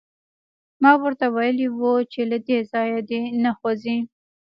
ما ورته ویلي وو چې له دې ځایه دې نه خوځي